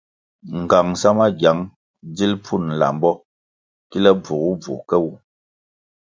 Ngang sa magiang dzil pfun lambo kile bvugubvu ke wu.